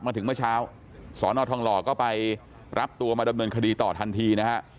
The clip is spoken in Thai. มาถึงเมื่อเช้าสอนอทองหล่อก็ไปรับตัวมาดำเนินคดีต่อทันทีนะฮะ